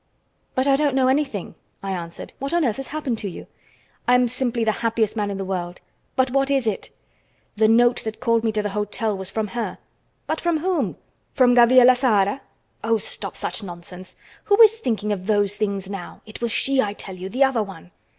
"But I don't know anything," I answered. "What on earth has happened to you?" "I'm simply the happiest man in the world!" "But what is it?" "The note that called me to the hotel was from her." "But from whom? From Gabriela Zahara?" "Oh, stop such nonsense! Who is thinking of those things now? It was she, I tell you, the other one!"